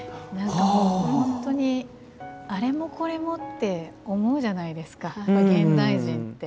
本当に、あれもこれもって思うじゃないですか、現代人って。